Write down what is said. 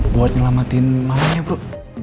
buat nyelamatin mamanya bro